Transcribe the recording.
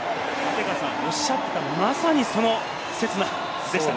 おっしゃった、まさにその刹那でした。